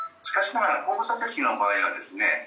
しかしながら後部座席の場合はですね